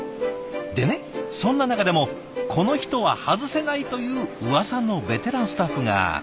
でねそんな中でもこの人は外せないといううわさのベテランスタッフが。